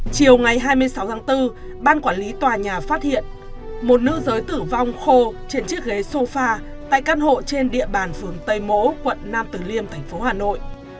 chiều ngày hai mươi sáu tháng bốn ban quản lý tòa nhà phát hiện một nữ giới tử vong khô trên chiếc ghế sofa tại căn hộ trên địa bàn phường tây mỗ quận nam tử liêm thành phố hà nội